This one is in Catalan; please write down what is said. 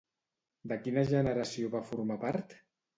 De quina generació va formar part?